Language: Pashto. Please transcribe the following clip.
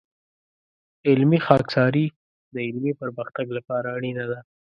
علمي خاکساري د علمي پرمختګ لپاره اړینه ده.